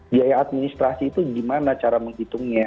biaya administrasi itu gimana cara menghitungnya